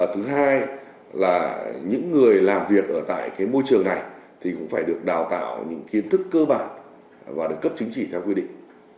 thứ hai là những người làm việc ở tại môi trường này thì cũng phải được đào tạo những kiến thức cơ bản và được cấp chứng chỉ theo quy định